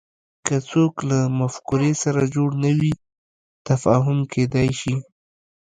که څوک له مفکورې سره جوړ نه وي تفاهم کېدای شي